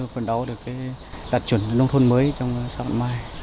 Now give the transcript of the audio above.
phần đó được đạt chuẩn nông thôn mới trong sáu năm mai